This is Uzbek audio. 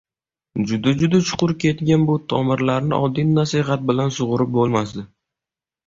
juda-juda chuqur ketgan bu tomirlarni oddiy nasihat bilan sugʻurib boʻlmasdi.